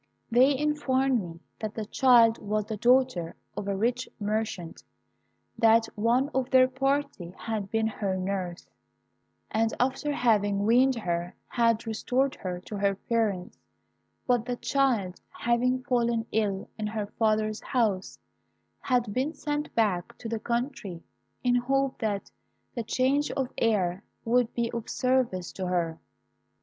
They informed me that the child was the daughter of a rich merchant; that one of their party had been her nurse, and after having weaned her had restored her to her parents, but that the child, having fallen ill in her father's house, had been sent back to the country, in hope that the change of air would be of service to her.